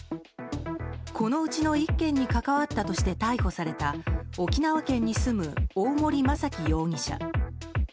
このうちの１件に関わったとして逮捕された沖縄県に住む大森正樹容疑者。